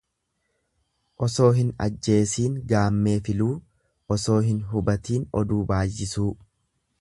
Osoo hin ajjeesiin gaammee filuu osoo hin hubatiin oduu baayyisuu.